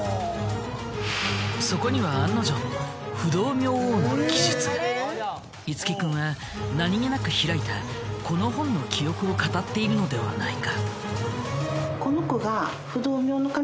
そこには案の定樹君は何気なく開いたこの本の記憶を語っているのではないか？